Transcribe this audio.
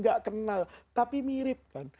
gak kenal tapi mirip kan